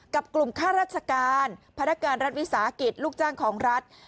กับกลุ่มค่าราชการพนักการรัฐวิสาหกิจลูกจ้างของรัฐ